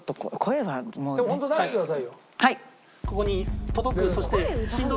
はい。